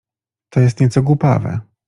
— To jest nieco głupawe.